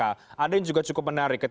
ada yang juga cukup menarik